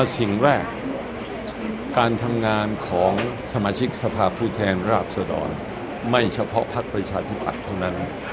สิ่งแรกการทำงานของสมาชิกสภาพผู้แทนราชดรไม่เฉพาะภักดิ์ประชาธิปัตย์เท่านั้น